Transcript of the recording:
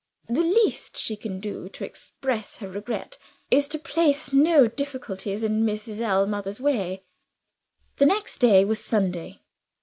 The least she can do, to express her regret, is to place no difficulties in Mrs. Ellmother's way." The next day was Sunday.